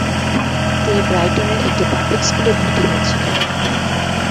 তিনি ব্রাইটনের একটি পাবলিক স্কুলে ভর্তি হয়েছিলেন।